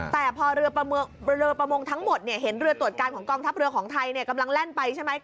แต่พอเรือประมงทั้งหมดเห็นเรือตรวจการของกองทัพเรือของไทยกำลังแล่นไปใช่ไหม